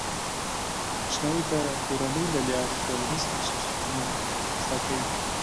ماشوم د کورنۍ له لارې ټولنیز ارزښتونه زده کوي.